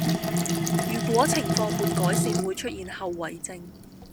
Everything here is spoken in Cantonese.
如果情況沒改善會出現後遺症